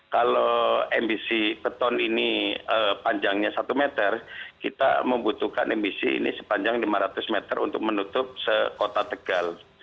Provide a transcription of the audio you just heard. kalau mbc beton ini panjangnya satu meter kita membutuhkan mbc ini sepanjang lima ratus meter untuk menutup sekota tegal